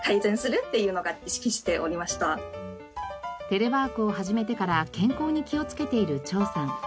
テレワークを始めてから健康に気をつけている張さん。